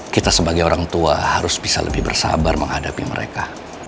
kita sebagai orang tua harus bisa lebih bersabar menghadapi mereka